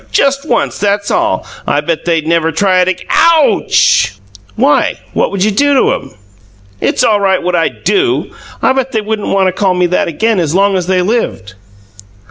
Just once, that's all! I bet they'd never try it ag OUCH!" "Why? What'd you do to 'em?" "It's all right what I'd DO! I bet they wouldn't want to call me that again long as they lived!"